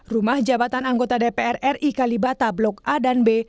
rumah jabatan anggota dpr ri kalibata blok a dan b